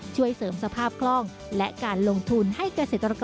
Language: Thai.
ช่วยเสริมสภาพคล่องและการลงทุนให้เกษตรกร